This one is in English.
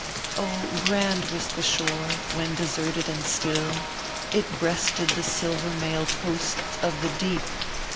Oh, grand was the shore, when deserted and still It breasted the silver mailed hosts of the Deep